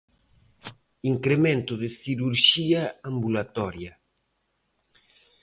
Incremento de cirurxía ambulatoria.